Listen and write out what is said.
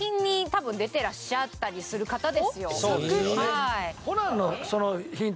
そうですよね。